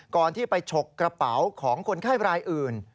ที่ไปฉกกระเป๋าของคนไข้รายอื่น